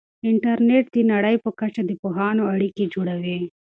انټرنیټ د نړۍ په کچه د پوهانو اړیکې جوړوي.